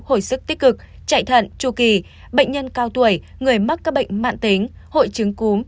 hồi sức tích cực chạy thận tru kỳ bệnh nhân cao tuổi người mắc các bệnh mạng tính hội chứng cúm